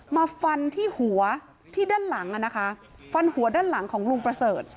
มาฟันที่หัวที่ด้านหลังอ่ะนะคะฟันหัวด้านหลังของลุงประเสริฐ